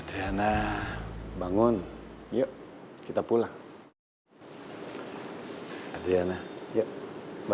akhirnya semuanya lebih cerita nah zer